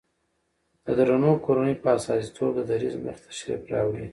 د درنو کورنيو په استازيتوب د دريځ مخې ته تشریف راوړي